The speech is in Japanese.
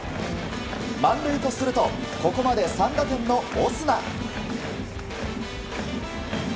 満塁とするとここまで３打点のオスナ。